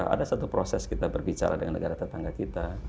ada satu proses kita berbicara dengan negara tetangga kita